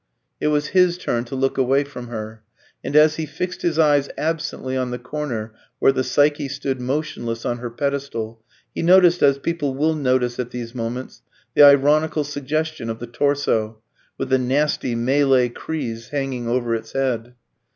It was his turn to look away from her; and as he fixed his eyes absently on the corner where the Psyche stood motionless on her pedestal, he noticed, as people will notice at these moments, the ironical suggestion of the torso, with the nasty Malay creese hanging over its head.